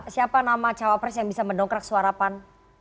siapa nama cawapres yang bisa mendongkrak suarapan